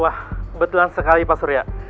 wah betulan sekali pak surya